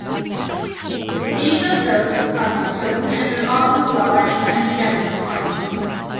These are built of cut stone and are often large and impressive structures.